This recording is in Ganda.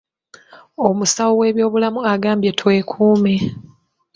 Omusawo w’ebyobulamu agambye twekuume.